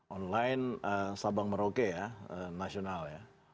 online sabang merauke ya nasional ya